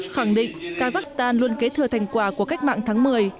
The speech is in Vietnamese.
khẳng định kazakhstan luôn kế thừa thành quả của cách mạng tháng một mươi